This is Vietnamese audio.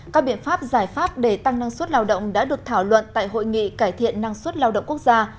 các biện pháp giải pháp để tăng năng suất lao động đã được thảo luận tại hội nghị cải thiện năng suất lao động quốc gia